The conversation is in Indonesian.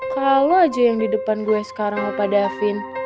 kalau aja yang di depan gue sekarang opa davin